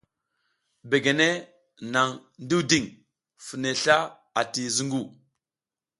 Begene nang ndiwding fine sla ati zungu.